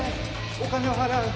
お金は払う。